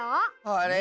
あれ？